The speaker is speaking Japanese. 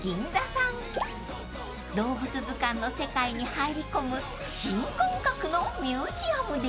［動物図鑑の世界に入り込む新感覚のミュージアムです］